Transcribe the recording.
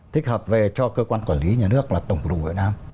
tích hợp về cho cơ quan quản lý nhà nước là tổng cục đồng việt nam